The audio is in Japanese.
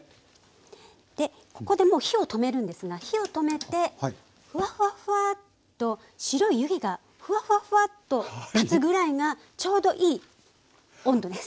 でここでもう火を止めるんですが火を止めてふわふわふわっと白い湯気がふわふわふわっと立つぐらいがちょうどいい温度です。